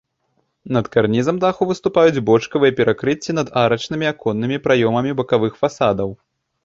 Над карнізам даху выступаюць бочкавыя перакрыцці над арачнымі аконнымі праёмамі бакавых фасадаў.